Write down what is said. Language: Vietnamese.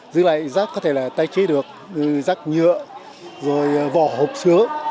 giữ lại rác có thể là tái chế được rác nhựa rồi vỏ hộp sữa